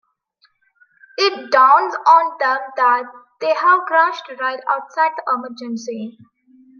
It dawns on them that they have crashed right outside the emergency.